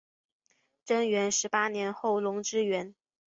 贞元十八年后垄之原。